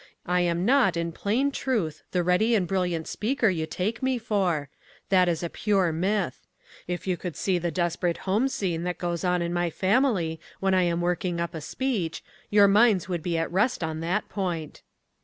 I am not, in plain truth, the ready and brilliant speaker you take me for. That is a pure myth. If you could see the desperate home scene that goes on in my family when I am working up a speech, your minds would be at rest on that point.